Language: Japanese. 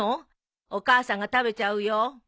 お母さんが食べちゃうよ。